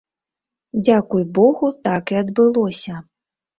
Дзякуй богу, так і адбылося.